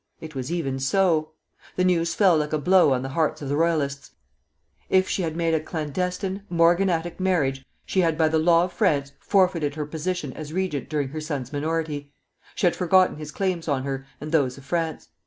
It was even so. The news fell like a blow on the hearts of the royalists. If she had made a clandestine, morganatic marriage, she had by the law of France forfeited her position as regent during her son's minority; she had forgotten his claims on her and those of France.